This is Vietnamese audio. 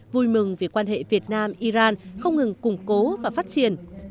vui mừng vì quan hệ việt nam iran không ngừng củng cố và phát triển